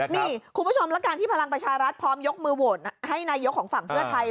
นี่คุณผู้ชมและการที่พลังประชารัฐพร้อมยกมือโหวตให้นายกของฝั่งเพื่อไทย